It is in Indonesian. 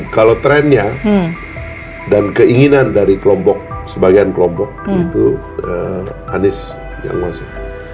kalau trennya dan keinginan dari kelompok sebagian kelompok anies yang masuk